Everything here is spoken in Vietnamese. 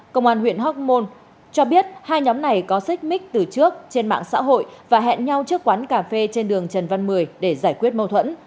công an huyện hóc môn cho biết hai nhóm này có xích mích từ trước trên mạng xã hội và hẹn nhau trước quán cà phê trên đường trần văn mười để giải quyết mâu thuẫn